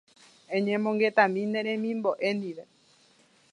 Eñomongetami ne remimbo'e ndive.